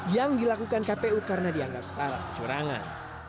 yang dilakukan kpu karena dianggap salah kecurangan